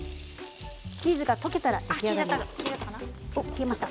チーズが溶けたら出来上がり。